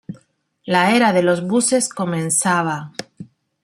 La era de los buses comenzaba.